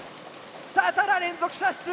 さあただ連続射出